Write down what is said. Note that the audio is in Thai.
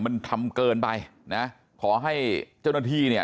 มันทำเกินไปนะขอให้เจ้าหน้าที่เนี่ย